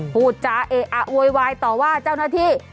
พูดจาเอะอะโวยวายต่อว่าเจ้าหน้าที่